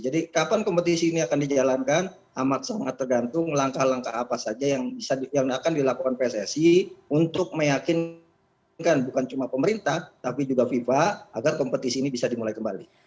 jadi kapan kompetisi ini akan dijalankan amat sangat tergantung langkah langkah apa saja yang akan dilakukan pssi untuk meyakinkan bukan cuma pemerintah tapi juga fifa agar kompetisi ini bisa dimulai kembali